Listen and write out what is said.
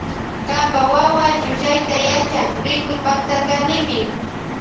Kanpa wawa llullayta yachan rikuypaktarkanimi.